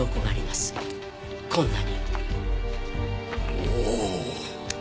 おお。